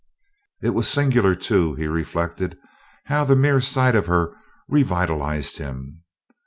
It was singular, too, he reflected, how the mere sight of her revitalized him.